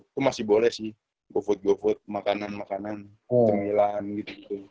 itu masih boleh sih gofood gofood makanan makanan cemilan gitu